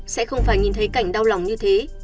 sẽ không phải nhìn thấy cảnh đau lòng như thế